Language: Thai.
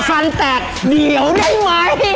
ไม่จริงหรอกกรอบจนฝันแตกเดี๋ยวได้ไหม